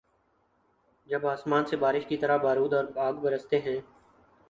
جب آسمان سے بارش کی طرح بارود اور آگ‘ برستے ہیں۔